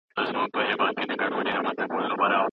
عمر په هغه ګرمه ورځ کې یو لوی درس زده کړ.